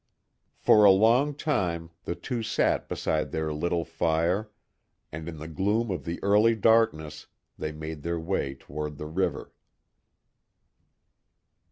For a long time the two sat beside their little fire, add in the gloom of the early darkness, they made their way toward the river.